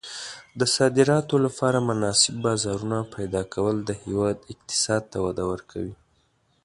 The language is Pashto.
د صادراتو لپاره مناسب بازارونه پیدا کول د هېواد اقتصاد ته وده ورکوي.